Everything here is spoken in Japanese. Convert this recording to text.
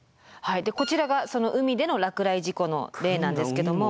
こちらがその海での落雷事故の例なんですけども。